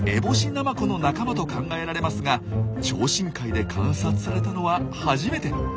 ナマコの仲間と考えられますが超深海で観察されたのは初めて。